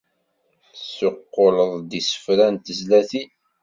Tessuqquleḍ-d isefra n tezlatin?